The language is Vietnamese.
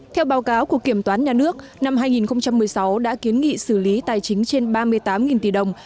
theo báo cáo của kiểm toán nhà nước năm hai nghìn một mươi sáu đã kiến nghị xử lý tài chính trên ba mươi tám tỷ đồng